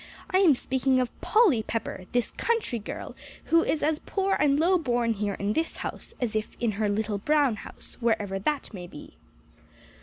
I am speaking of Polly Pepper, this country girl, who is as poor and low born here in this house, as if in her little brown house, wherever that may be."